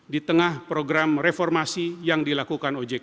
di tengah program reformasi yang dilakukan ojk